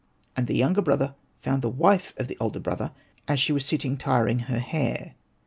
*' And the younger brother found the wife of his elder brother, as she was sitting tiring her hair.